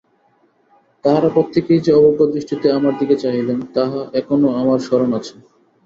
তাঁহারা প্রত্যেকেই যে-অবজ্ঞাদৃষ্টিতে আমার দিকে চাহিলেন, তাহা এখনও আমার স্মরণ আছে।